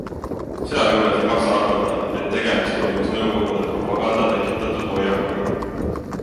Sealjuures ei maksa arvata, et tegemist olnuks nõukogude propaganda tekitatud hoiakuga.